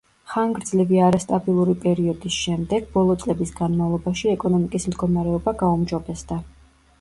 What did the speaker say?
ხანგრძლივი არასტაბილური პერიოდის შემდეგ ბოლო წლების განმავლობაში ეკონომიკის მდგომარეობა გაუმჯობესდა.